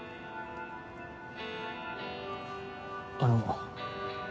あの。